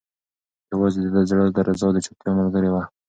یوازې د ده د زړه درزا د چوپتیا ملګرې وه.